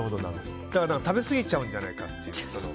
だから食べ過ぎちゃうんじゃないかっていう。